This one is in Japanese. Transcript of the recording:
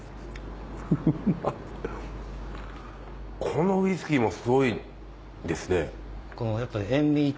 このウイスキーもすごいですね。